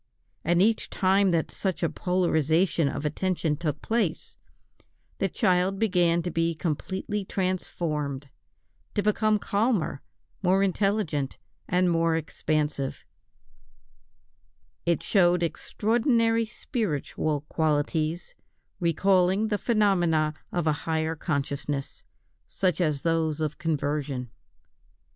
And each time that such a polarisation of attention took place, the child began to be completely transformed, to become calmer, more intelligent, and more expansive; it showed extraordinary spiritual qualities, recalling the phenomena of a higher consciousness, such as those of conversion.